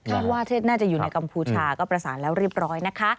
ว่าเทศน่าจะอยู่ในกัมพูชาก็ประสานแล้วเรียบร้อยนะคะ